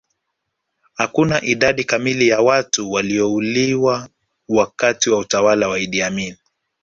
hakuna idadi kamili ya watu waliouliwa wakati wa utawala wa idi amin